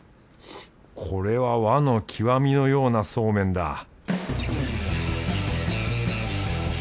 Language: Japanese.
これは和の極みのようなそうめんだ